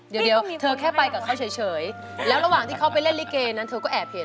เดี๋ยวเธอแค่ไปกับเขาเฉยแล้วระหว่างที่เขาไปเล่นลิเกนั้นเธอก็แอบเห็น